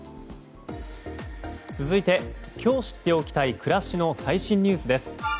続いて今日知っておきたい暮らしの最新ニュースです。